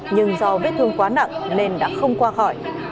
nhưng do vết thương quá nặng nên đã không qua khỏi